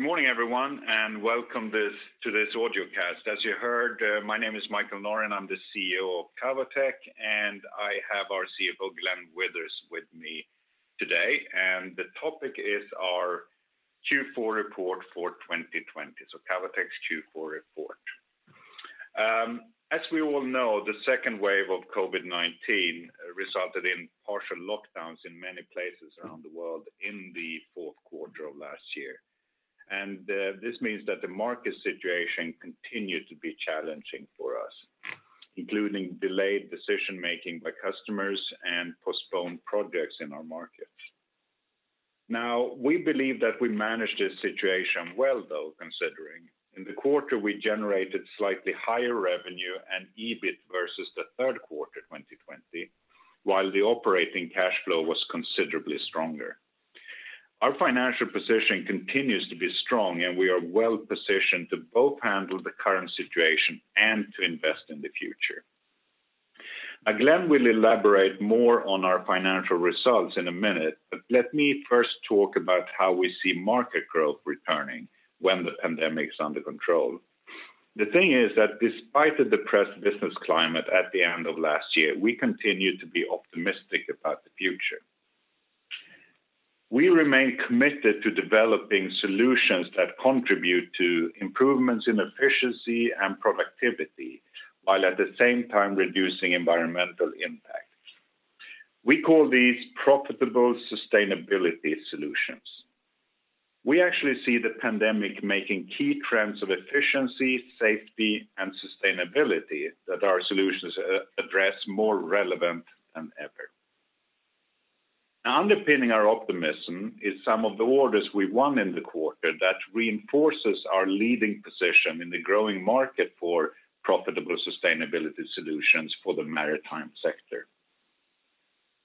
Good morning, everyone, welcome to this audio cast. As you heard, my name is Mikael Norin, I'm the CEO of Cavotec, I have our CFO, Glenn Withers, with me today. The topic is our Q4 report for 2020, Cavotec's Q4 report. As we all know, the second wave of COVID-19 resulted in partial lockdowns in many places around the world in the fourth quarter of last year. This means that the market situation continued to be challenging for us, including delayed decision-making by customers and postponed projects in our markets. Now, we believe that we managed this situation well. In the quarter, we generated slightly higher revenue and EBIT versus the third quarter 2020, while the operating cash flow was considerably stronger. Our financial position continues to be strong, and we are well-positioned to both handle the current situation and to invest in the future. Glenn will elaborate more on our financial results in a minute, but let me first talk about how we see market growth returning when the pandemic's under control. The thing is that despite the depressed business climate at the end of last year, we continue to be optimistic about the future. We remain committed to developing solutions that contribute to improvements in efficiency and productivity, while at the same time reducing environmental impact. We call these profitable sustainability solutions. We actually see the pandemic making key trends of efficiency, safety, and sustainability that our solutions address more relevant than ever. Underpinning our optimism is some of the orders we won in the quarter that reinforces our leading position in the growing market for profitable sustainability solutions for the maritime sector.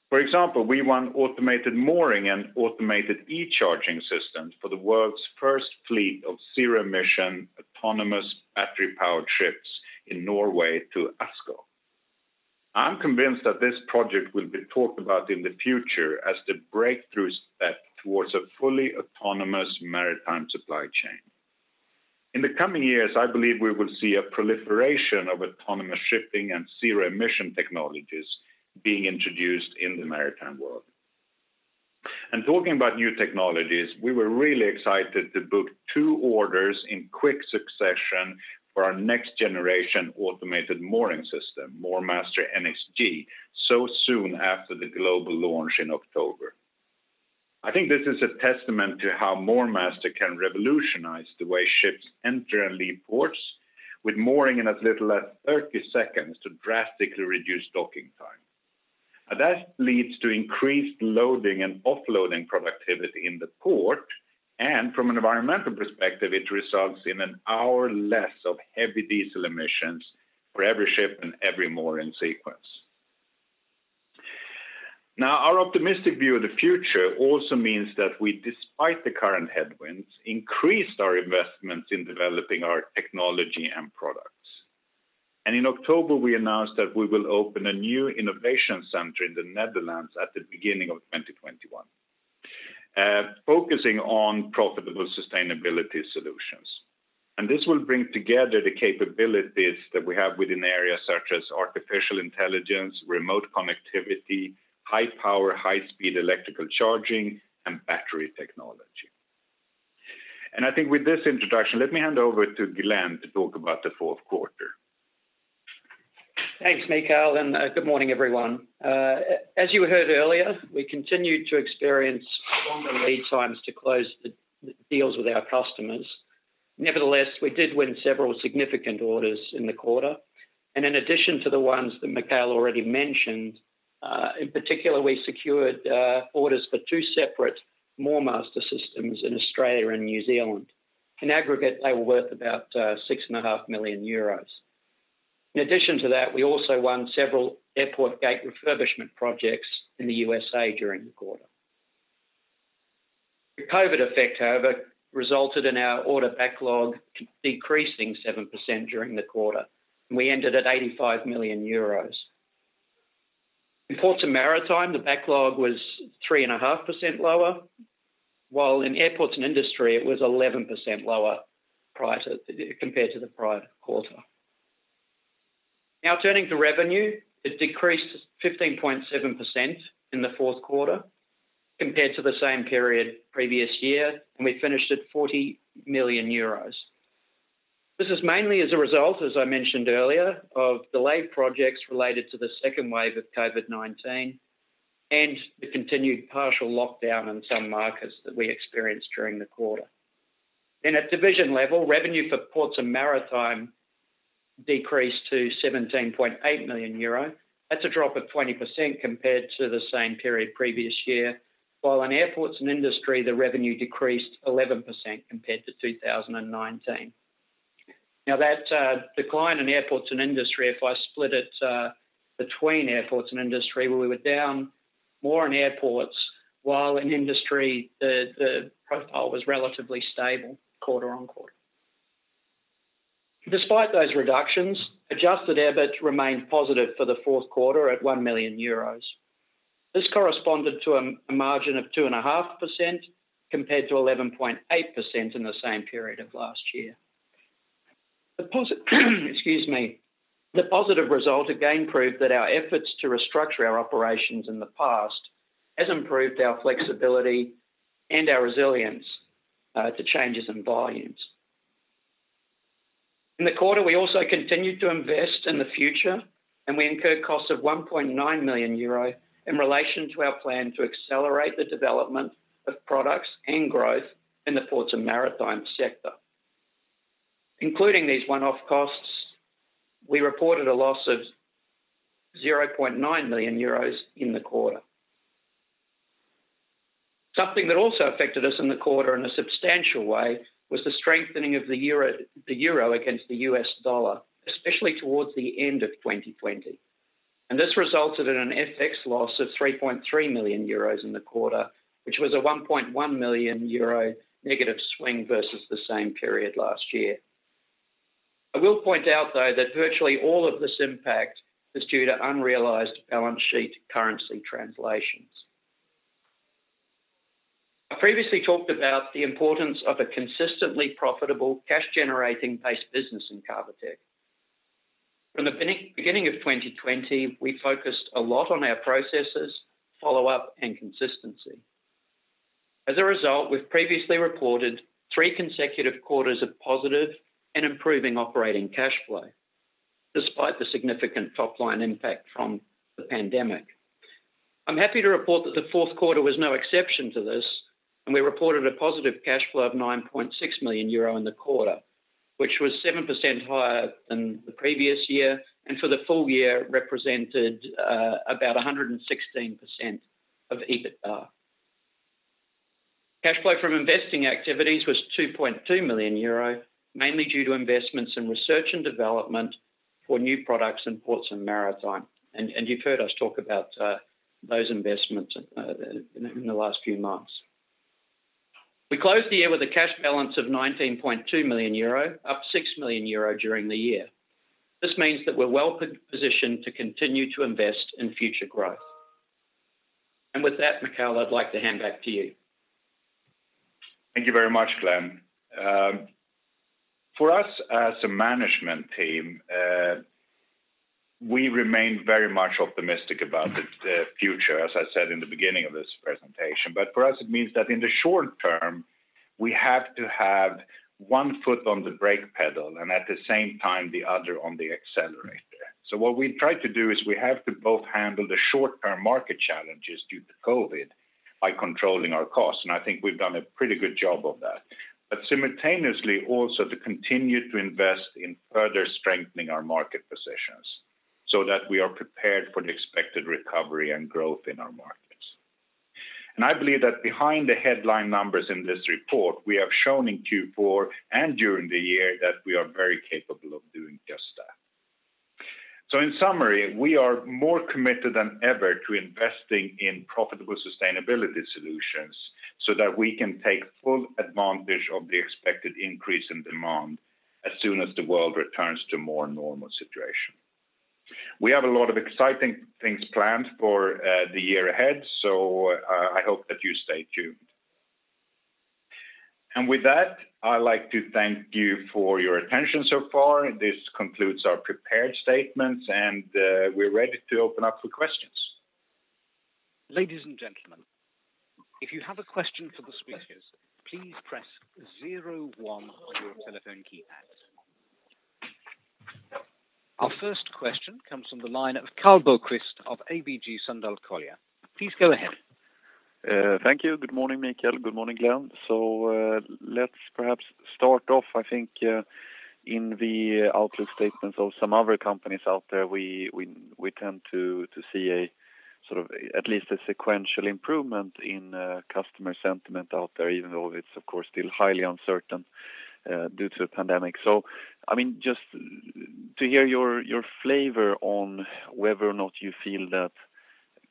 For example, we won automated mooring and automated e-charging systems for the world's first fleet of zero-emission, autonomous, battery-powered ships in Norway to ASKO. I'm convinced that this project will be talked about in the future as the breakthrough step towards a fully autonomous maritime supply chain. In the coming years, I believe we will see a proliferation of autonomous shipping and zero-emission technologies being introduced in the maritime world. Talking about new technologies, we were really excited to book two orders in quick succession for our next generation automated mooring system, MoorMaster NxG, so soon after the global launch in October. I think this is a testament to how MoorMaster can revolutionize the way ships enter and leave ports, with mooring in as little as 30 seconds to drastically reduce docking time. That leads to increased loading and offloading productivity in the port, and from an environmental perspective, it results in one hour less of heavy diesel emissions for every ship and every mooring sequence. Our optimistic view of the future also means that we, despite the current headwinds, increased our investments in developing our technology and products. In October, we announced that we will open a new innovation center in the Netherlands at the beginning of 2021, focusing on profitable sustainability solutions. This will bring together the capabilities that we have within areas such as artificial intelligence, remote connectivity, high power, high speed electrical charging, and battery technology. I think with this introduction, let me hand over to Glenn to talk about the fourth quarter. Thanks, Mikael. Good morning, everyone. As you heard earlier, we continued to experience longer lead times to close the deals with our customers. Nevertheless, we did win several significant orders in the quarter. In addition to the ones that Mikael already mentioned, in particular, we secured orders for two separate MoorMaster systems in Australia and New Zealand. In aggregate, they were worth about 6.5 million euros. In addition to that, we also won several airport gate refurbishment projects in the U.S.A. during the quarter. The COVID effect, however, resulted in our order backlog decreasing 7% during the quarter, and we ended at 85 million euros. In ports and maritime, the backlog was 3.5% lower, while in airports and industry, it was 11% lower compared to the prior quarter. Turning to revenue, it decreased 15.7% in the fourth quarter compared to the same period previous year. We finished at 40 million euros. This is mainly as a result, as I mentioned earlier, of delayed projects related to the second wave of COVID-19 and the continued partial lockdown in some markets that we experienced during the quarter. In a division level, revenue for ports and maritime decreased to 17.8 million euro. That's a drop of 20% compared to the same period previous year. In airports and industry, the revenue decreased 11% compared to 2019. That decline in airports and industry, if I split it between airports and industry, we were down more in airports, while in industry, the profile was relatively stable quarter-on-quarter. Despite those reductions, adjusted EBIT remained positive for the fourth quarter at 1 million euros. This corresponded to a margin of 2.5% compared to 11.8% in the same period of last year. The positive result again proved that our efforts to restructure our operations in the past has improved our flexibility and our resilience to changes in volumes. In the quarter, we also continued to invest in the future. We incurred costs of 1.9 million euro in relation to our plan to accelerate the development of products and growth in the ports and maritime sector. Including these one-off costs, we reported a loss of 0.9 million euros in the quarter. Something that also affected us in the quarter in a substantial way was the strengthening of the euro against the U.S. dollar, especially towards the end of 2020. This resulted in an FX loss of 3.3 million euros in the quarter, which was a 1.1 million euro negative swing versus the same period last year. I will point out, though, that virtually all of this impact is due to unrealized balance sheet currency translations. I previously talked about the importance of a consistently profitable cash-generating base business in Cavotec. From the beginning of 2020, we focused a lot on our processes, follow-up, and consistency. As a result, we've previously reported three consecutive quarters of positive and improving operating cash flow, despite the significant top-line impact from the pandemic. I'm happy to report that the fourth quarter was no exception to this, and we reported a positive cash flow of 9.6 million euro in the quarter, which was 7% higher than the previous year, and for the full year represented about 116% of EBITDA. Cash flow from investing activities was 2.2 million euro, mainly due to investments in research and development for new products in ports and maritime. You've heard us talk about those investments in the last few months. We closed the year with a cash balance of 19.2 million euro, up 6 million euro during the year. This means that we're well-positioned to continue to invest in future growth. With that, Mikael, I'd like to hand back to you. Thank you very much, Glenn. For us as a management team, we remain very much optimistic about the future, as I said in the beginning of this presentation. For us, it means that in the short term, we have to have one foot on the brake pedal and at the same time, the other on the accelerator. What we've tried to do is we have to both handle the short-term market challenges due to COVID-19 by controlling our costs, and I think we've done a pretty good job of that. Simultaneously, also to continue to invest in further strengthening our market positions so that we are prepared for the expected recovery and growth in our markets. I believe that behind the headline numbers in this report, we have shown in Q4 and during the year that we are very capable of doing just that. In summary, we are more committed than ever to investing in profitable sustainability solutions so that we can take full advantage of the expected increase in demand as soon as the world returns to a more normal situation. We have a lot of exciting things planned for the year ahead, so I hope that you stay tuned. With that, I'd like to thank you for your attention so far. This concludes our prepared statements, and we're ready to open up for questions. Ladies and gentlemen, if you have a question for the speakers, please press zero one on your telephone keypads. Our first question comes from the line of Karl Bokvist of ABG Sundal Collier. Please go ahead. Thank you. Good morning, Mikael. Good morning, Glenn. Let's perhaps start off, I think, in the outlook statements of some other companies out there, we tend to see at least a sequential improvement in customer sentiment out there, even though it's, of course, still highly uncertain due to the pandemic. I mean, just to hear your flavor on whether or not you feel that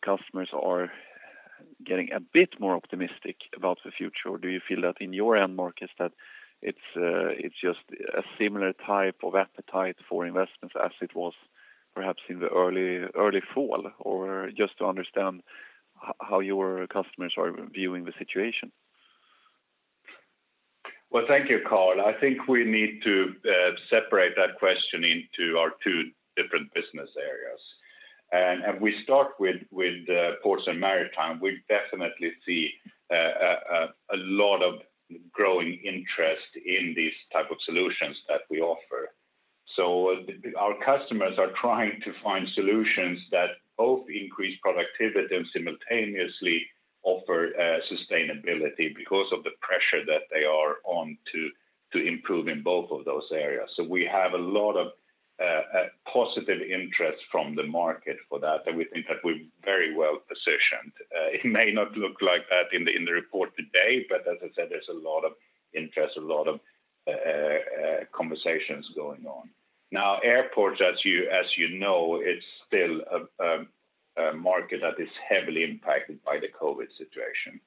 customers are getting a bit more optimistic about the future, or do you feel that in your end markets that it's just a similar type of appetite for investments as it was perhaps in the early fall? Just to understand how your customers are viewing the situation. Well, thank you, Karl. I think we need to separate that question into our two different business areas. If we start with ports and maritime, we definitely see a lot of growing interest in these type of solutions that we offer. Our customers are trying to find solutions that both increase productivity and simultaneously offer sustainability because of the pressure that they are on to improve in both of those areas. We have a lot of positive interest from the market for that, and we think that we're very well-positioned. It may not look like that in the report today, but as I said, there's a lot of interest, a lot of conversations going on. Now airports, as you know, it's still a market that is heavily impacted by the COVID-19 situation.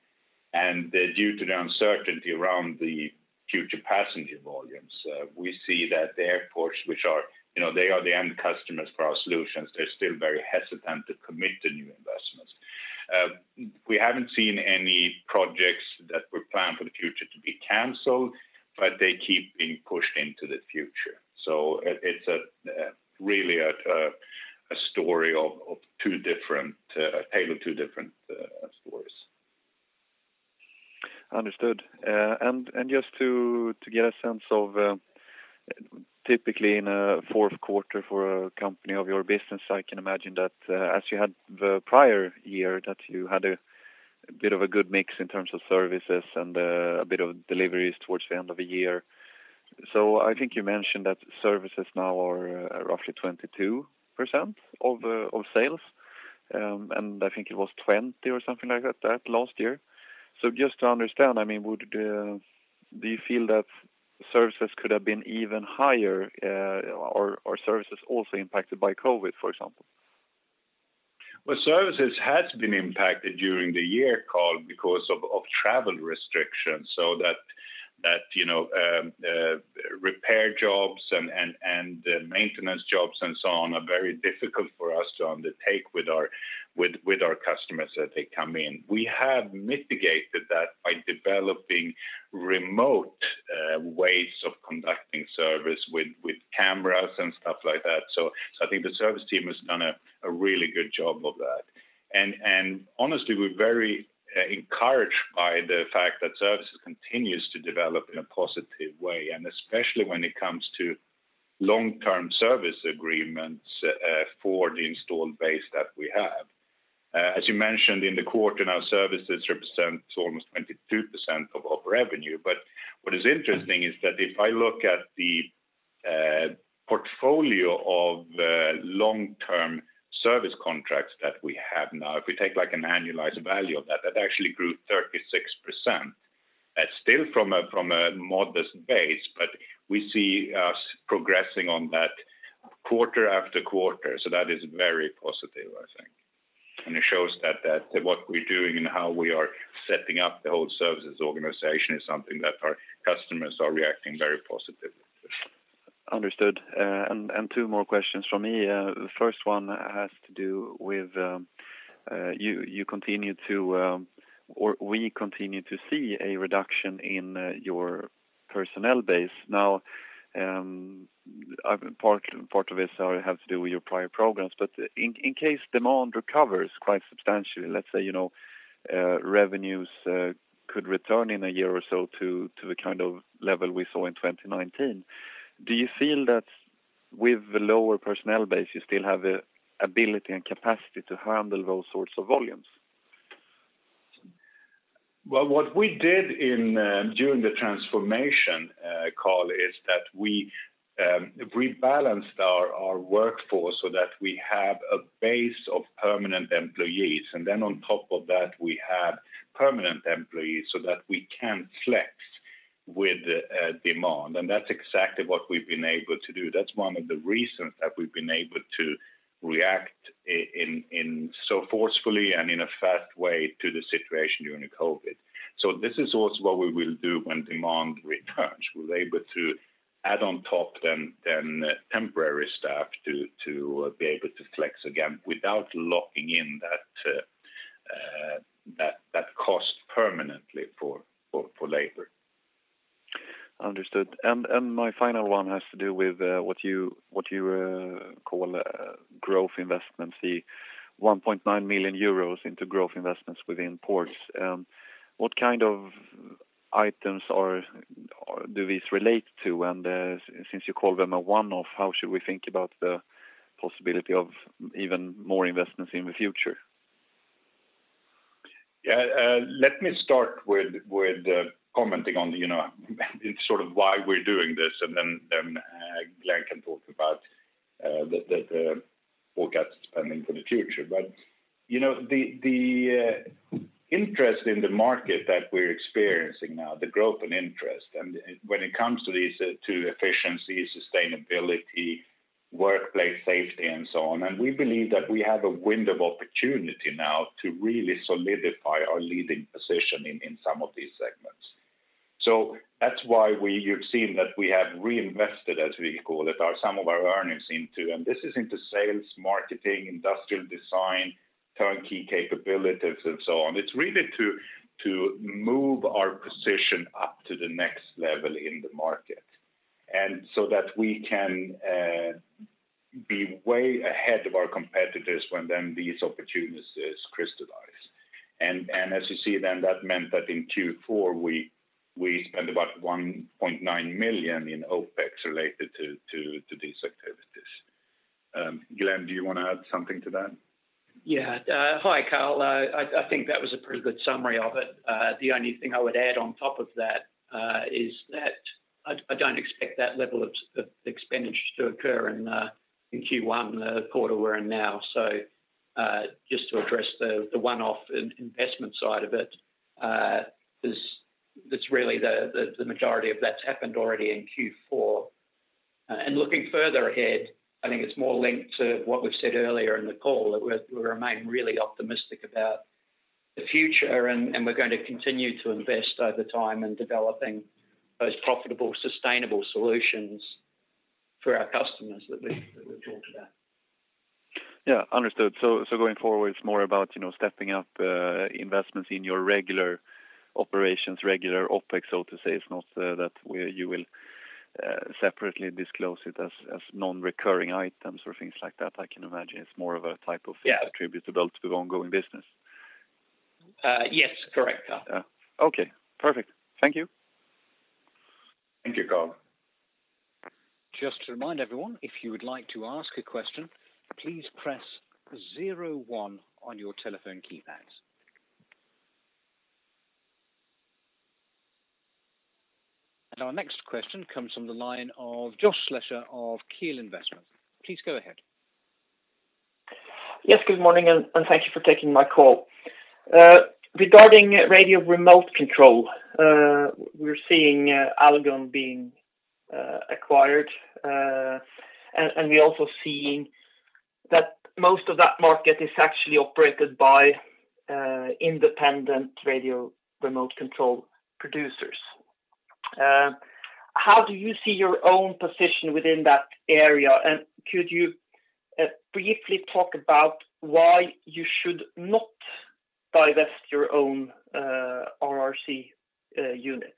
Due to the uncertainty around the future passenger volumes, we see that the airports, they are the end customers for our solutions. They're still very hesitant to commit to new investments. We haven't seen any projects that were planned for the future to be canceled, but they keep being pushed into the future. It's really a tale of two different stories. Understood. Just to get a sense of, typically in a fourth quarter for a company of your business, I can imagine that as you had the prior year, that you had a bit of a good mix in terms of services and a bit of deliveries towards the end of the year. I think you mentioned that services now are roughly 22% of sales, and I think it was 20% or something like that last year. Just to understand, do you feel that services could have been even higher or are services also impacted by COVID, for example? Services has been impacted during the year, Karl, because of travel restrictions, so that repair jobs and the maintenance jobs and so on are very difficult for us to undertake with our customers as they come in. We have mitigated that by developing remote ways of conducting service with cameras and stuff like that. I think the service team has done a really good job of that. Honestly, we're very encouraged by the fact that services continues to develop in a positive way, and especially when it comes to long-term service agreements for the installed base that we have. As you mentioned in the quarter, now services represents almost 22% of our revenue. What is interesting is that if I look at the portfolio of long-term service contracts that we have now, if we take like an annualized value of that actually grew 36%. That's still from a modest base, but we see us progressing on that quarter after quarter. That is very positive, I think. It shows that what we're doing and how we are setting up the whole services organization is something that our customers are reacting very positively with. Understood. Two more questions from me. The first one has to do with we continue to see a reduction in your personnel base. Now, part of this has to do with your prior programs, but in case demand recovers quite substantially, let's say revenues could return in a year or so to the kind of level we saw in 2019. Do you feel that with the lower personnel base, you still have the ability and capacity to handle those sorts of volumes? Well, what we did during the transformation, Karl, is that we rebalanced our workforce so that we have a base of permanent employees. Then on top of that, we have permanent employees so that we can flex with demand. That's exactly what we've been able to do. That's one of the reasons that we've been able to react in so forcefully and in a fast way to the situation during the COVID-19. This is also what we will do when demand returns. We're able to add on top then temporary staff to be able to flex again without locking in that cost permanently for labor. Understood. My final one has to do with what you call growth investments, the 1.9 million euros into growth investments within ports. What kind of items do these relate to? Since you call them a one-off, how should we think about the possibility of even more investments in the future? Let me start with commenting on why we're doing this, and then Glenn can talk about the forecast spending for the future. The interest in the market that we're experiencing now, the growth and interest, and when it comes to these two, efficiency, sustainability, workplace safety, and so on, and we believe that we have a wind of opportunity now to really solidify our leading position in some of these segments. That's why you've seen that we have reinvested, as we call it, some of our earnings into, and this is into sales, marketing, industrial design, turnkey capabilities, and so on. It's really to move our position up to the next level in the market, and so that we can be way ahead of our competitors when then these opportunities crystallize. As you see, that meant that in Q4, we spent about 1.9 million in OpEx related to these activities. Glenn, do you want to add something to that? Hi, Karl. I think that was a pretty good summary of it. The only thing I would add on top of that is that I don't expect that level of expenditure to occur in Q1, the quarter we're in now. Just to address the one-off investment side of it. It's really the majority of that's happened already in Q4. Looking further ahead, I think it's more linked to what we've said earlier in the call, that we remain really optimistic about the future, and we're going to continue to invest over time in developing those profitable, sustainable solutions for our customers that we've talked about. Yeah, understood. Going forward, it's more about stepping up investments in your regular operations, regular OpEx, so to say. It's not that where you will separately disclose it as non-recurring items or things like that, I can imagine it's more of a type of thing, attributable to the ongoing business. Yes, correct. Okay, perfect. Thank you. Thank you, Karl. Just to remind everyone, if you would like to ask a question, please press zero one on your telephone keypads. Our next question comes from the line of Josh Slesher of Kiel Investment. Please go ahead. Yes, good morning, and thank you for taking my call. Regarding radio remote control, we're seeing Allgon being acquired, and we're also seeing that most of that market is actually operated by independent radio remote control producers. How do you see your own position within that area? Could you briefly talk about why you should not divest your own RRC unit?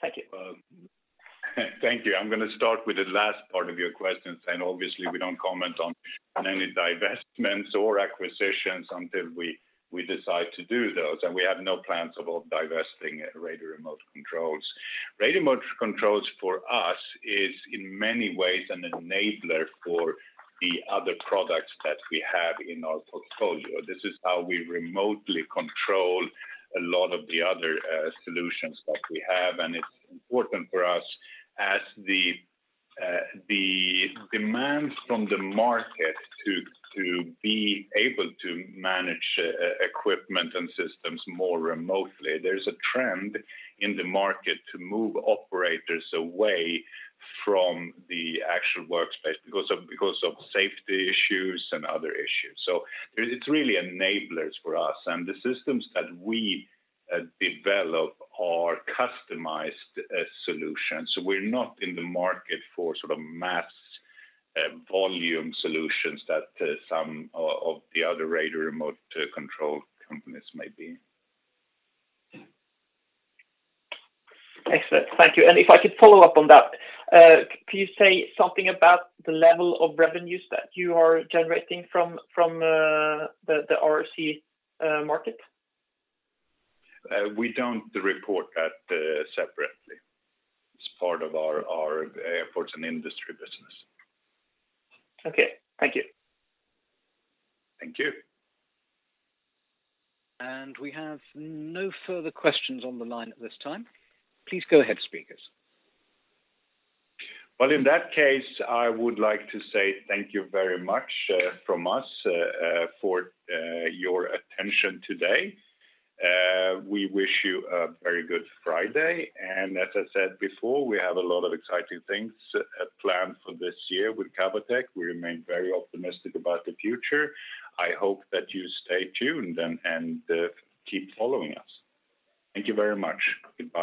Thank you. Thank you. I'm going to start with the last part of your question. Obviously, we don't comment on any divestments or acquisitions until we decide to do those, and we have no plans about divesting radio remote controls. Radio remote controls for us is in many ways an enabler for the other products that we have in our portfolio. This is how we remotely control a lot of the other solutions that we have, and it's important for us as the demands from the market to be able to manage equipment and systems more remotely. There's a trend in the market to move operators away from the actual workspace because of safety issues and other issues. It's really enablers for us, and the systems that we develop are customized solutions. We're not in the market for mass volume solutions that some of the other radio remote control companies may be. Excellent. Thank you. If I could follow up on that, can you say something about the level of revenues that you are generating from the RRC market? We don't report that separately. It's part of our airports and industry business. Okay. Thank you. Thank you. We have no further questions on the line at this time. Please go ahead, speakers. Well, in that case, I would like to say thank you very much from us for your attention today. We wish you a very good Friday. As I said before, we have a lot of exciting things planned for this year with Cavotec. We remain very optimistic about the future. I hope that you stay tuned and keep following us. Thank you very much. Goodbye